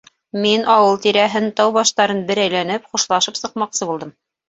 Мин ауыл тирәһен, тау баштарын бер әйләнеп, хушлашып сыҡмаҡсы булдым.